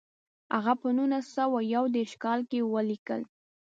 هغه په نولس سوه یو دېرش کال کې ولیکل.